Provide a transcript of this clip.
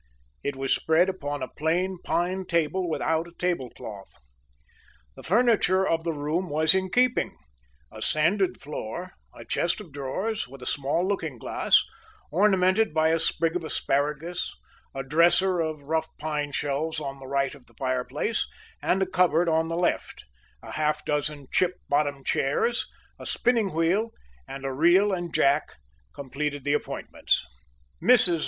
It was spread upon a plain pine table without a tablecloth. The furniture of the room was in keeping a sanded floor, a chest of drawers, with a small looking glass, ornamented by a sprig of asparagus, a dresser of rough pine shelves on the right of the fireplace, and a cupboard on the left, a half dozen chip bottomed chairs, a spinning wheel, and a reel and jack, completed the appointments. Mrs.